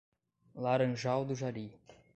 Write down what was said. Laranjal do Jari